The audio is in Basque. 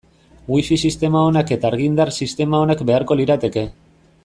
Wifi sistema onak eta argindar sistema onak beharko lirateke.